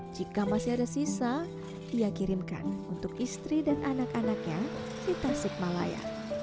jika masih ada sisa dia kirimkan untuk istri dan anak anaknya di tasikmalaya